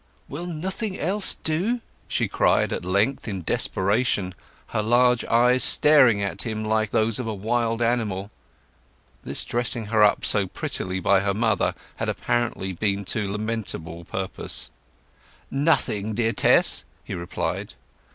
"Will nothing else do?" she cried at length, in desperation, her large eyes staring at him like those of a wild animal. This dressing her up so prettily by her mother had apparently been to lamentable purpose. "Nothing, dear Tess," he replied.